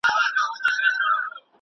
په ښارونو کې ګڼه ګوڼه زياته سوې ده.